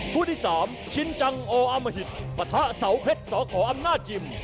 คู่ที่๓ชินจังโออามหิตปะทะเสาเพชรสขออำนาจยิม